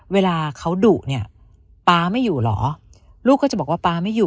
เวลาเขาดุเนี่ยป๊าไม่อยู่เหรอลูกก็จะบอกว่าป๊าไม่อยู่